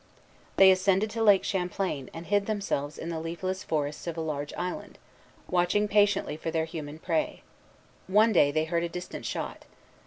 They ascended to Lake Champlain, and hid themselves in the leafless forests of a large island, watching patiently for their human prey. One day they heard a distant shot.